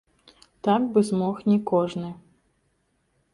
Так бы змог не кожны.